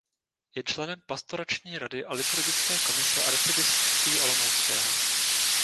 Je členem pastorační rady a liturgické komise Arcibiskupství olomouckého.